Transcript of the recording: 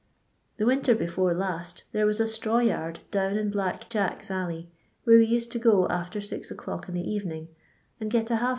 The winter before last, there was a straw yard down in Black Jack*s alley, where we used to go after six o'clock in the evening, and get ^ lb.